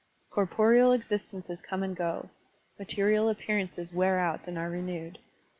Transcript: Cor poreal existences come and go, material appear ances wear out and are renewed.